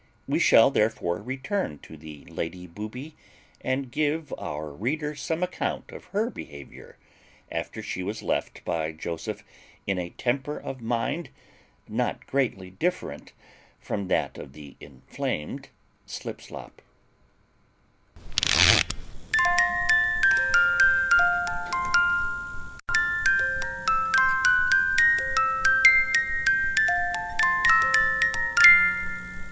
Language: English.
We shall therefore return to the Lady Booby, and give our reader some account of her behaviour, after she was left by Joseph in a temper of mind not greatly different from that of the inflamed Slipslop.